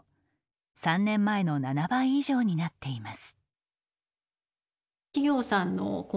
３年前の７倍以上になっています。